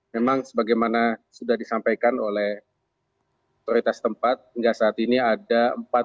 memang sebagaimana sudah disampaikan oleh otoritas tempat hingga saat ini ada empat